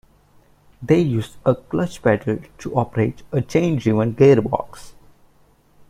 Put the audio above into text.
They used a clutch pedal to operate a chain-driven gearbox.